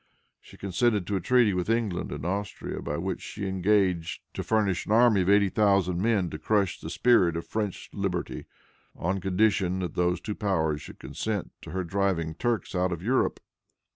She consented to a treaty with England and Austria, by which she engaged to furnish an army of eighty thousand men to crush the spirit of French liberty, on condition that those two powers should consent to her driving Turks out of Europe.